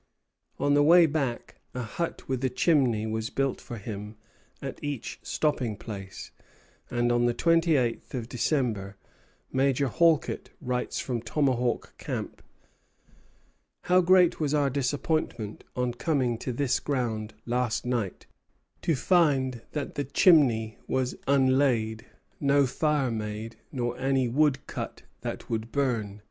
On the way back, a hut with a chimney was built for him at each stopping place, and on the twenty eighth of December Major Halket writes from "Tomahawk Camp:" "How great was our disappointment, on coming to this ground last night, to find that the chimney was unlaid, no fire made, nor any wood cut that would burn.